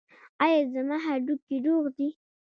ایا زما هډوکي روغ دي؟